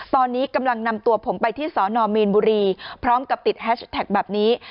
ตอนนี้กำลังนำตัวผมไปที่สนมีนบุรีพร้อมกับติดแฮชแท็กแบบนี้